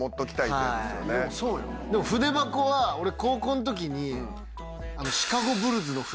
筆箱は俺高校の時に。